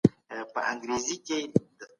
تاسو باید د خپل کار پایلې وګورئ.